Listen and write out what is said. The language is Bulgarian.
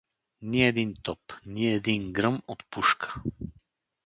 Ни един топ, ни един гръм от пушка.